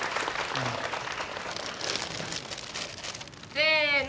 せの！